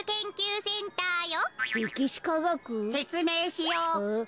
せつめいしよう。